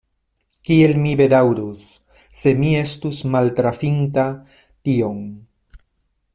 kiel mi bedaŭrus, se mi estus maltrafinta tion!